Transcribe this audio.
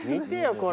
これ。